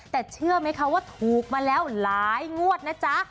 แต่เชื่อไหมคะว่าถูกมาแล้วหลายงวดนะจ๊ะ